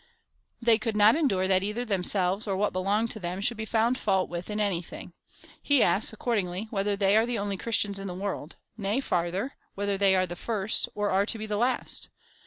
They could not endure that either themselves, or what belonged to them, should be found fault with in anything. He asks, accord ingly, whether they are the only Christians in the world ; nay, farther, whether they are the first, or are to be the last